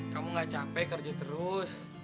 kamu gak capek kerja terus